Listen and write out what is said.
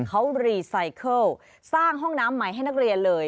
เขารีไซเคิลสร้างห้องน้ำใหม่ให้นักเรียนเลย